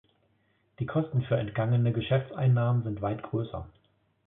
Die Kosten für entgangene Geschäftseinnahmen sind weit größer.